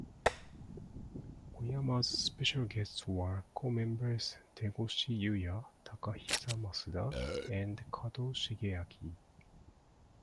Koyama's special guests were co-members Tegoshi Yuya, Takahisa Masuda, and Kato Shigeaki.